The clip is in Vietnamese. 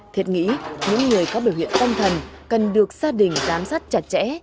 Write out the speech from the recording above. thiệt nghĩ những người có biểu hiện tâm thần cần được gia đình giám sát chặt chẽ